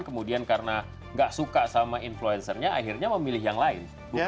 kemudian karena gak suka sama influencernya akhirnya memilih yang lain